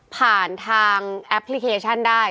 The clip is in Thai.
ผ่านทางแอปพลิเคชันได้